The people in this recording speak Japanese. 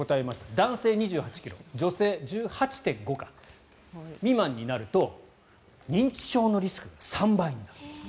男性２８ｋｇ女性１８．５ｋｇ未満になると認知症のリスクが３倍になる。